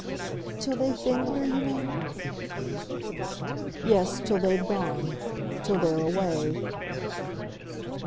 "Till they've been here, you mean?" "Yes, till they've gone. Till they're away."